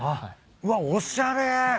うわおしゃれ。